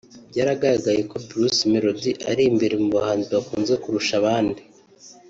byagaragaye ko Bruce Melody ari imbere mu bahanzi bakunzwe kurusha abandi